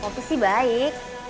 poppy sih baik